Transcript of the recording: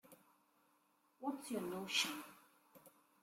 What's your notion?